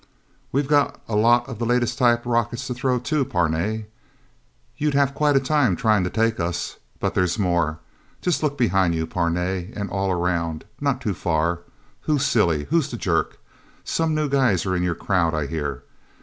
"We've got a lot of the latest type rockets to throw, too, Parnay. You'd have quite a time, trying to take us. But there's more... Just look behind you, Parnay. And all around. Not too far. Who's silly? Who's the jerk? Some new guys are in your crowd, I hear?